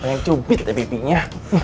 banyak cupit deh pipinya